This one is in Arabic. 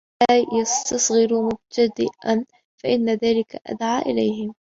وَلَا يَسْتَصْغِرُوا مُبْتَدِئًا فَإِنَّ ذَلِكَ أَدْعَى إلَيْهِمْ